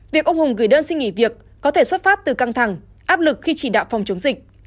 việc ông hùng gửi đơn xin nghỉ việc có thể xuất phát từ căng thẳng áp lực khi chỉ đạo phòng chống dịch